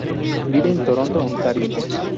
Vive en Toronto, Ontario.